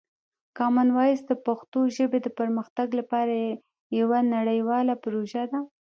کامن وایس د پښتو ژبې د پرمختګ لپاره یوه نړیواله پروژه ده.